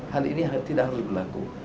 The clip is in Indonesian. hal ini tidak harus berlaku